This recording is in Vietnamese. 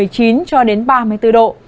cho đến ba mươi bốn độ